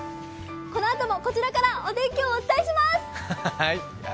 このあともこちらからお天気をお伝えします！